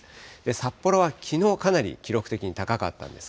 札幌はきのうかなり記録的に高かったんです。